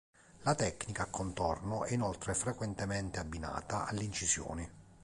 La tecnica a contorno è inoltre frequentemente abbinata alle incisioni.